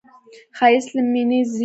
ښایست له مینې زېږي